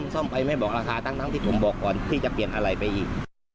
ซ่อมไปไม่บอกราคาทั้งที่ผมบอกก่อนที่จะเปลี่ยนอะไรไปอีก